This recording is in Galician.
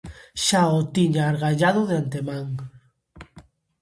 Xa o tiña argallado de antemán.